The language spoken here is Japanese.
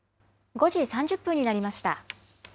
５時３０分になりました。